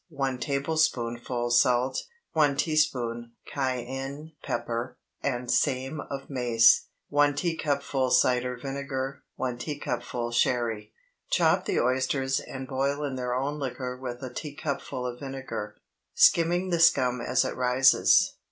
1 tablespoonful salt. 1 teaspoonful cayenne pepper, and same of mace. 1 teacupful cider vinegar. 1 teacupful sherry. Chop the oysters and boil in their own liquor with a teacupful of vinegar, skimming the scum as it rises.